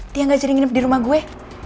tia gak jadi nginep di rumah gue